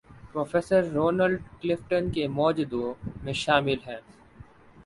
Professor Roland Clift کے موجدوں میں شامل ہیں۔